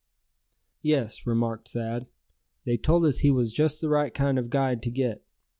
"Yes," remarked Thad, "they told us he was just the right kind of a guide to get.